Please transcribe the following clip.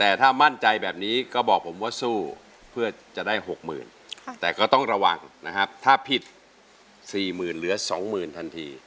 แต่ถ้ามั่นใจแบบนี้ก็บอกผมว่าสู้เพื่อจะได้๖๐๐๐แต่ก็ต้องระวังนะครับถ้าผิด๔๐๐๐เหลือ๒๐๐๐ทันที